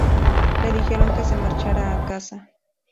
Le dijeron que se marchara a casa.